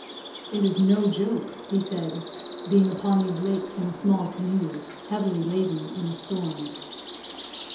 "It is no joke," he said, "being upon these lakes in a small canoe, heavily laden, in a storm."